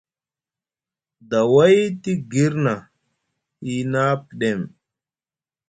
Daway te girna, hiina pɗem!